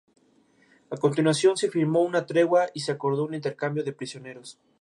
A continuación, se firmó una tregua y se acordó un intercambio de prisioneros.